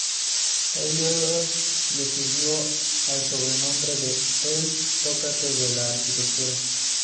Ello le sirvió el sobrenombre de "el Sócrates de la Arquitectura.